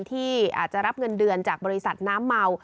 ที่อาจจะรับเงินเดือนจากบริษัทน้ำเมา